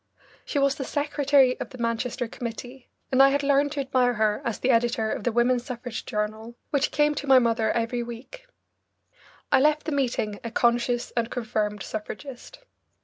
She was the secretary of the Manchester committee, and I had learned to admire her as the editor of the Women's Suffrage Journal, which came to my mother every week. I left the meeting a conscious and confirmed suffragist.